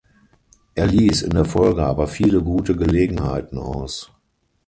Er ließ in der Folge aber viele gute Gelegenheiten aus.